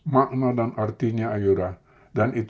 makna dan artinya ayuran